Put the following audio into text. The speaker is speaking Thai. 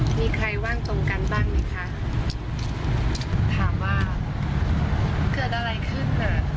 มีใครว่างตรงกันบ้างไหมคะถามว่าเกิดอะไรขึ้นน่ะ